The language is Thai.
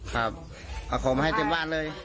ครับเอาของมาให้เต็มบ้านเลย